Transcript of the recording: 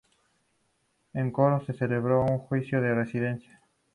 En Coro se celebró un juicio de residencia.